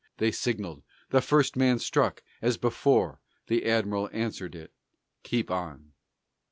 They signalled: "The first man struck." As before The admiral answered it: "Keep on."